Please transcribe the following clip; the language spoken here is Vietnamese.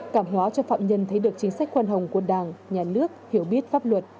cảm hóa cho phạm nhân thấy được chính sách quan hồng của đảng nhà nước hiểu biết pháp luật